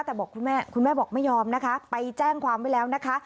แต่บอกคุณแม่คุณแม่บอกไม่ยอมนะคะไปแจ้งความไว้แล้วนะคะ